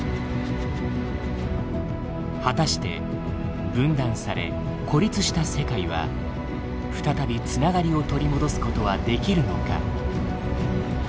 果たして分断され孤立した世界は再び繋がりを取り戻すことはできるのか。